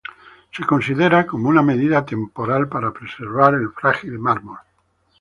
Se considera como una medida temporal, para preservar el frágil mármol.